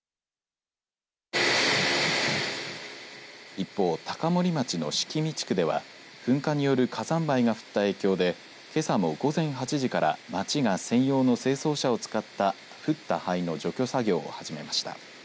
一方、高森町の色見地区では噴火による火山灰が降った影響でけさも午前８時から町が専用の清掃車を使った降った灰の除去作業を始めました。